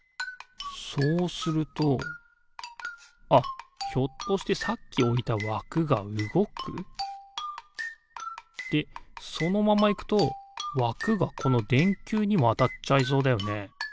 そうするとあっひょっとしてさっきおいたわくがうごく？でそのままいくとわくがこのでんきゅうにもあたっちゃいそうだよね。